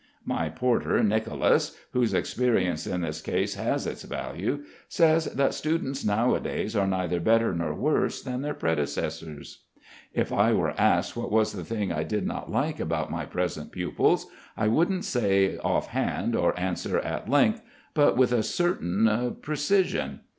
My porter, Nicolas, whose experience in this case has its value, says that students nowadays are neither better nor worse than their predecessors. If I were asked what was the thing I did not like about my present pupils, I wouldn't say offhand or answer at length, but with a certain precision.